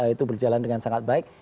itu berjalan dengan sangat baik